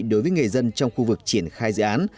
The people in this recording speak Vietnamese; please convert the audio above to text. đối với người dân trong khu vực triển khai dự án